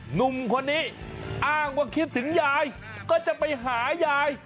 หนุ่มคนนี้อ้างว่าคิดถึงยายก็จะไปหายาย